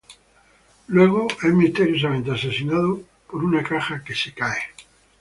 Luego es misteriosamente asesinado por una caja que se cae.